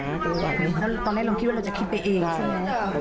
เพราะตอนแรกเราคิดว่าเราจะคิดไปเองใช่ไหม